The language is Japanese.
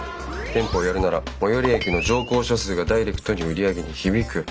店舗をやるなら最寄り駅の乗降者数がダイレクトに売り上げに響く。